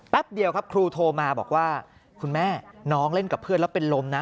เดียวครับครูโทรมาบอกว่าคุณแม่น้องเล่นกับเพื่อนแล้วเป็นลมนะ